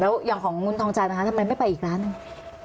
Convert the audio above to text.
แล้วอย่างของคุณทองจันทร์นะคะทำไมไม่ไปอีกร้านหนึ่ง